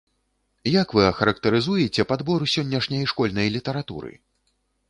Як вы ахарактарызуеце падбор сённяшняй школьнай літаратуры?